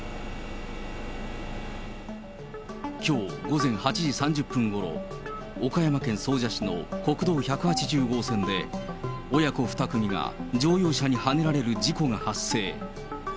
きょう午前８時３０分ごろ、岡山県総社市の国道１８０号線で、親子２組が乗用車にはねられる事故が発生。